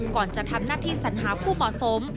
ก่อนจะทำหน้าที่สัญหาผู้เหมาะสม